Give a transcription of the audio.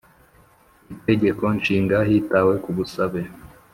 I Tegeko Nshinga, hitawe ku busabe